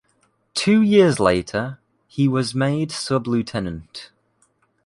Two years later, he was made sub-lieutenant.